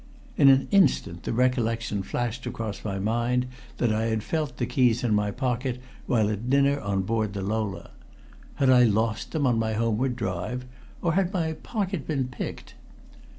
In an instant the recollection flashed across my mind that I had felt the keys in my pocket while at dinner on board the Lola. Had I lost them on my homeward drive, or had my pocket been picked?